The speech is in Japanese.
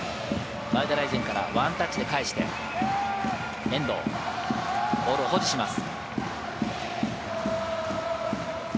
前田大然からワンタッチで返して、ボールを保持します。